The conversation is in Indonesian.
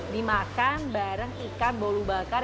dimakan bareng ikan bau bakar